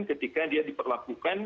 ketika dia diperlakukan